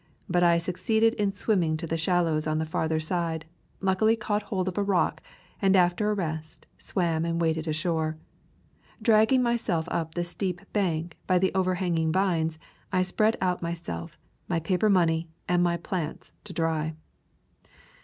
But I succeeded in swimming to the shallows on the farther side, luckily caught hold of a rock, and after a rest swam and waded ashore. Dragging myself up the steep bank by the overhanging vines, I spread out myself, my paper money, and my plants to dry.